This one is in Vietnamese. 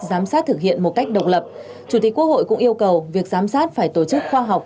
giám sát thực hiện một cách độc lập chủ tịch quốc hội cũng yêu cầu việc giám sát phải tổ chức khoa học